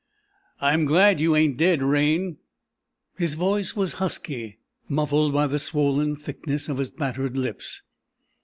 "I'm glad you ain't dead, Raine." His voice was husky, muffled by the swollen thickness of his battered lips.